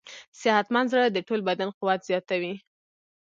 صحتمند زړه د ټول بدن قوت زیاتوي.